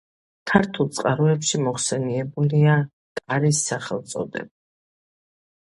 ქართულ წყაროებში მოხსენიებულია „კარის“ სახელწოდებით.